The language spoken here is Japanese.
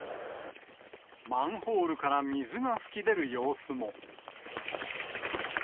マンホールから水が噴き出る様子も。